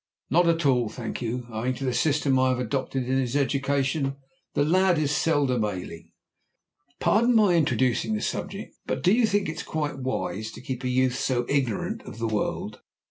"Not at all, thank you. Owing to the system I have adopted in his education, the lad is seldom ailing." "Pardon my introducing the subject. But do you think it is quite wise to keep a youth so ignorant of the world?